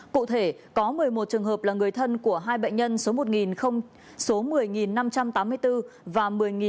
cụ thể có một mươi một trường hợp là người thân của hai bệnh nhân số một trăm linh số một mươi năm trăm tám mươi bốn và một mươi năm trăm tám mươi năm